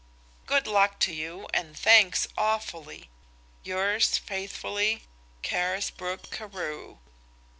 Good luck to you, and thanks awfully. "Yours faithfully, "CARISBROOK CAREW."